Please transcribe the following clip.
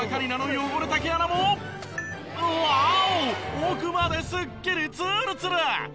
奥まですっきりツルツル！